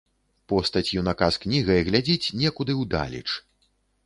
Постаць юнака з кнігай глядзіць некуды ўдалеч.